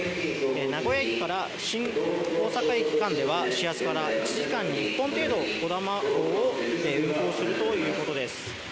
名古屋駅から新大阪駅間では始発から１時間に１本程度「こだま号」を運行するということです。